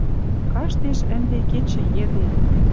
Каштеш ӹнде кечӹ йӹде